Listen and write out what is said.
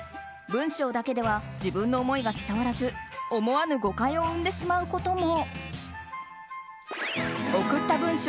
文章だけでは自分の思いが伝わらず思わぬ誤解を生んでしまうことも。